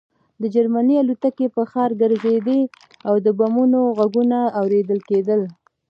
د جرمني الوتکې په ښار ګرځېدې او د بمونو غږونه اورېدل کېدل